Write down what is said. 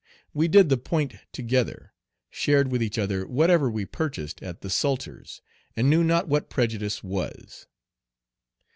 We did the Point together, shared with each other whatever we purchased at the sulter's, and knew not what prejudice was.